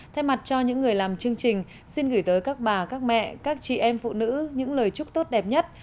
thay mặt cho những người làm chương trình xin gửi tới các bà các mẹ các chị em phụ nữ những lời chúc tốt đẹp nhất